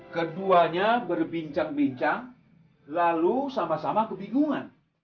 keduanya berbincang bincang lalu sama sama kebingungan